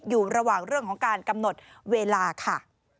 อยู่ระหว่างเรื่องของการกำหนดเวลาค่ะ